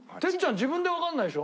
自分でわからないでしょ？